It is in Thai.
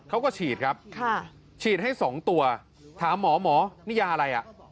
ก็ฉีดครับฉีดให้๒ตัวถามหมอนี่ยาอะไร